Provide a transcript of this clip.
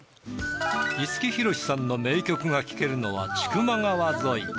五木ひろしさんの名曲が聴けるのは千曲川沿い。